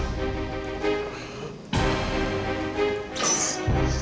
sekarang aku mau ke lol chamber